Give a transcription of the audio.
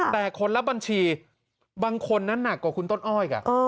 แต่คนละบัญชีบางคนนั้นหนักกว่าคุณต้นอ้อย